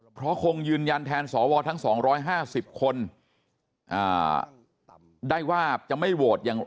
เพราะคงยืนยันแทนสอวอทั้งสองร้อยห้าสิบคนอ่าได้ว่าจะไม่โหวตอย่าง